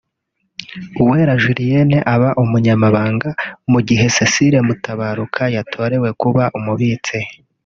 Uwera Julienne aba Umunyamabanga mu gihe Cecile Mutabaruka yatorerewe kuba Umubitsi